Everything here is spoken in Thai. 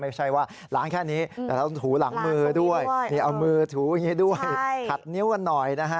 ไม่ใช่ว่าล้างแค่นี้แต่ต้องถูหลังมือด้วยนี่เอามือถูอย่างนี้ด้วยขัดนิ้วกันหน่อยนะฮะ